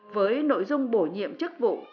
với nội dung bổ nhiệm chức vụ